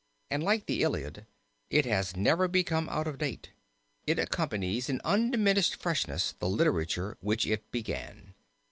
And, like the Iliad, it has never become out of date; it accompanies in undiminished freshness the literature which it began."